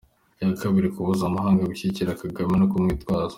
Iya kabiri : Kubuza amahanga gushyigikira Kagame no kumwitaza